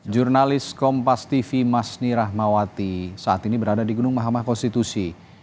jurnalis kompas tv masni rahmawati saat ini berada di gedung mahkamah konstitusi